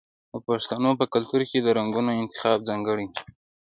د پښتنو په کلتور کې د رنګونو انتخاب ځانګړی دی.